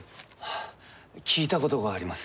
あ聞いたことがあります。